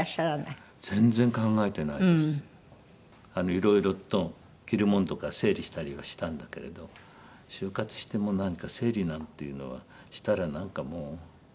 いろいろと着るものとかは整理したりはしたんだけれど終活してもなんか整理なんていうのはしたらなんかもう。